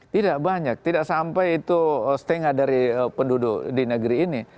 tidak banyak tidak sampai itu setengah dari penduduk di negeri ini